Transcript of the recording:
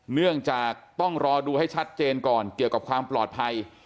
เนื่องจากต้องรอดูให้ชัดเจนก่อนเกี่ยวกับความปลอดภัย